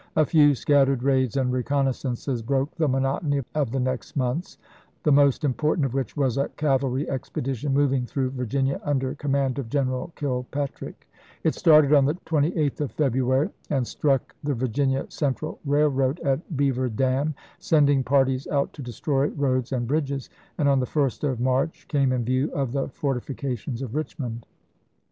A few scattered raids and reconnaissances broke the monotony of the next months, the most important of which was a cavalry expedition mov ing through Virginia under command of General Kilpatrick. It started on the 28th of February, and ise*. 252 ABRAHAM LINCOLN CHAP. IX. struck the Virginia Central Railroad at Beaver Dam, sending parties out to destroy roads and bridges, and on the 1st of March came in view of the fortifications of Richmond.